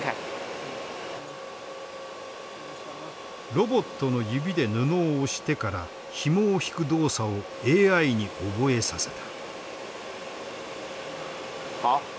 ロボットの指で布を押してからひもを引く動作をＡＩに覚えさせた。